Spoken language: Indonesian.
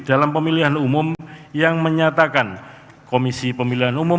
dalam pemilihan umum yang menyatakan komisi pemilihan umum